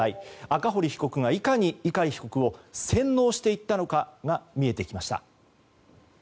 赤堀被告がいかに碇被告を洗脳していったのかが見えてきました。